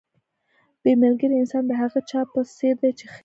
بې ملګري انسان د هغه چا په څېر دی چې ښی لاس نه لري.